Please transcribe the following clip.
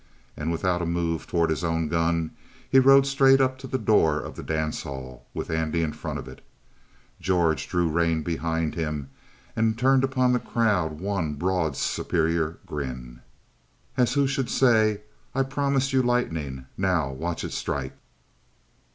And without a move toward his own gun, he rode straight up to the door of the dance hall, with Andy in front of it. George drew rein behind him and turned upon the crowd one broad, superior grin. As who should say: "I promised you lightning; now watch it strike!"